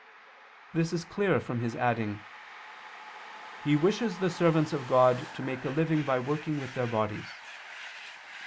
This is clear from his adding: "He wishes the servants of God to make a living by working with their bodies."